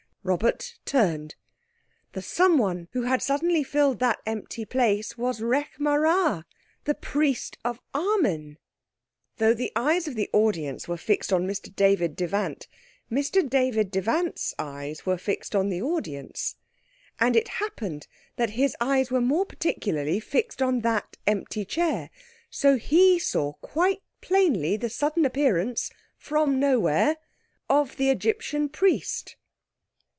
Robert turned. The someone who had suddenly filled that empty place was Rekh marā, the Priest of Amen! Though the eyes of the audience were fixed on Mr David Devant, Mr David Devant's eyes were fixed on the audience. And it happened that his eyes were more particularly fixed on that empty chair. So that he saw quite plainly the sudden appearance, from nowhere, of the Egyptian Priest.